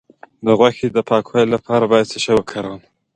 د غوښې د پاکوالي لپاره باید څه شی وکاروم؟